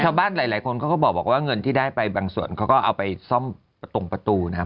หลายคนเขาก็บอกว่าเงินที่ได้ไปบางส่วนเขาก็เอาไปซ่อมตรงประตูนะครับ